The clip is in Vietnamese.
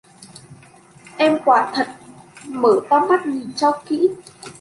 em quả thật mở to mắt nhìn cho kĩ